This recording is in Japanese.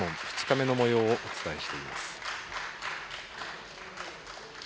２日目のもようをお伝えしています。